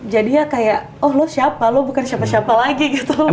jadi ya kayak oh lo siapa lo bukan siapa siapa lagi gitu kan